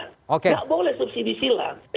nggak boleh subsidi silang